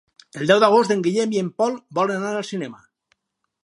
El deu d'agost en Guillem i en Pol volen anar al cinema.